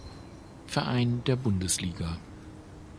Verein der Bundesliga.